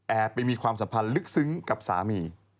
ไปมีความสัมพันธ์ลึกซึ้งกับสามี